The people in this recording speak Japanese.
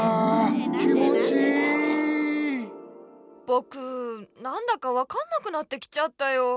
ぼくなんだかわかんなくなってきちゃったよ。